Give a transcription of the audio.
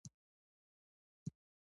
• زړور سړی د مشکلاتو سره مقابله کوي.